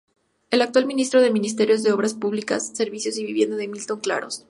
El actual ministro de Ministerio de Obras Públicas, Servicios y Vivienda es Milton Claros.